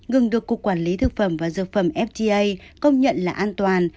ngừng được cục quản lý thực phẩm và dược phẩm fda công nhận là an toàn